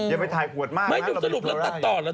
อย่าไปถ่ายขวดมากนะ